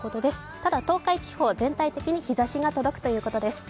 ただ東海地方、全体的に日ざしが届くということです。